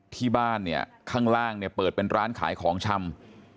ที่บ้านเนี่ยข้างล่างเนี่ยเปิดเป็นร้านขายของชำ